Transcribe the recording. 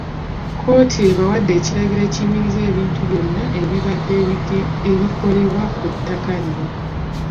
Kkooti ebawadde ekiragiro ekiyimiriza ebintu byonna ebibadde bikolebwa ku ttaka lino